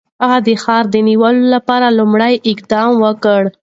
هغه د ښار د نیولو لپاره لومړی اقدام وکړ.